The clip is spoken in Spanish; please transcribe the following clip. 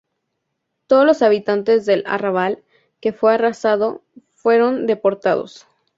Todos los habitantes del arrabal, que fue arrasado, fueron deportados.